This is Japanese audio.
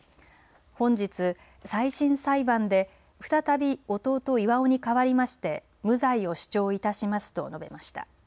本日、再審裁判で再び弟、巌に代わりまして無罪を主張いたしますと述べました。